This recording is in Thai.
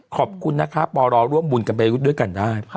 ขอบคุณนะคะปรร่วมบุญกันไปด้วยกันได้